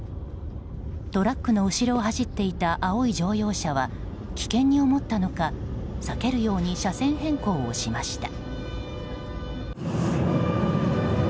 トラックの後ろを走っていた青い乗用車は危険に思ったのか避けるように車線変更をしました。